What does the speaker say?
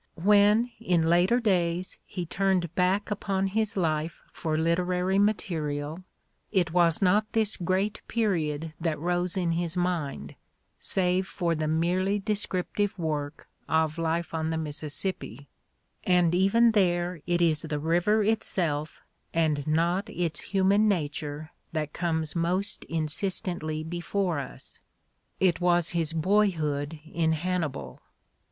When, in later days, he turned back upon his life for literary material, it was not this great period that rose in his mind, save for the merely descrip tive work of "Life on the Mississippi" — and even there it is the river itself and not its human nature that comes most insistently before us; it was his boyhood in Hannibal.